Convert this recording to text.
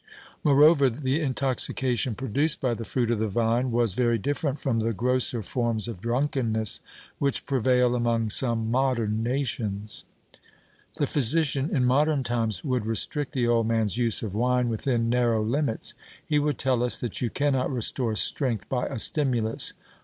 Moreover, the intoxication produced by the fruit of the vine was very different from the grosser forms of drunkenness which prevail among some modern nations. The physician in modern times would restrict the old man's use of wine within narrow limits. He would tell us that you cannot restore strength by a stimulus.